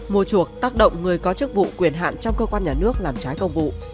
mua chuộc tác động người có chức vụ quyền hạn trong cơ quan nhà nước làm trái công vụ